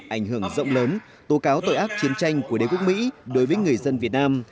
ảnh hưởng rộng lớn tố cáo tội ác chiến tranh của đế quốc mỹ đối với người dân việt nam